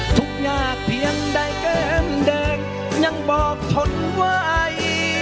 ทุกอย่างเพียงใดแก้มแดงยังบอกทนไว้